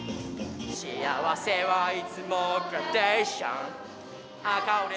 「幸せはいつもグラデーション」